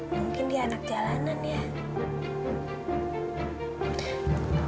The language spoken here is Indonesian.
mungkin dia anak jalanan ya